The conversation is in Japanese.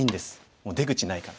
もう出口ないから。